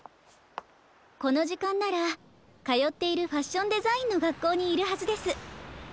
このじかんならかよっているファッションデザインのがっこうにいるはずです。